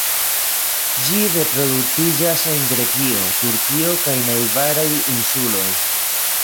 Ĝi reproduktiĝas en Grekio, Turkio kaj najbaraj insuloj.